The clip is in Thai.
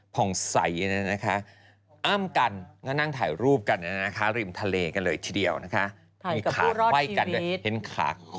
ผ่องใสนะคะอ้ามกันก็นั่งถ่ายรูปกันนะคะริมทะเลกันเลยทีเดียวนะคะ